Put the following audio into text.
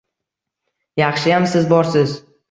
Yaxshiyam Siz borsiz